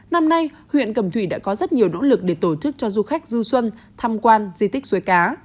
năm nay huyện cầm thủy đã có rất nhiều nỗ lực để tổ chức cho du khách du xuân tham quan di tích suối cá